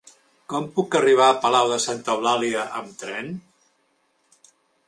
Com puc arribar a Palau de Santa Eulàlia amb tren?